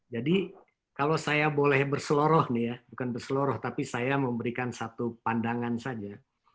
jadi kalau saya boleh berseloroh nih ya bukan berseloroh tapi saya memberikan satu pandangan saja